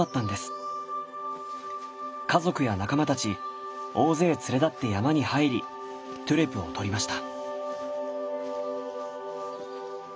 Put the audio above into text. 家族や仲間たち大勢連れ立って山に入りトゥレを採りました。